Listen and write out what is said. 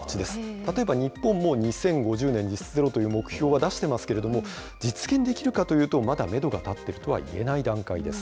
例えば日本も、２０５０年に実質ゼロという目標は出してますけれども、実現できるかというと、まだメドが立っているとはいえない段階です。